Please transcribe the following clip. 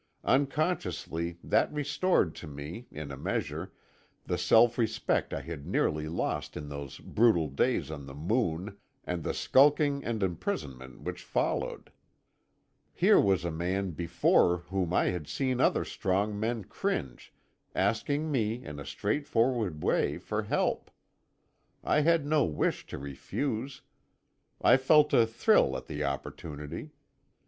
Unconsciously that restored to me, in a measure, the self respect I had nearly lost in those brutal days on the Moon, and the skulking and imprisonment which followed. Here was a man before whom I had seen other strong men cringe asking me in a straightforward way for help. I had no wish to refuse; I felt a thrill at the opportunity.